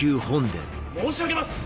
申し上げます！